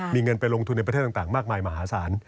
มีเงินไปลงทุนในประเทศต่างมากมายมหาศาล